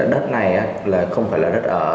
đất này là không phải là đất ở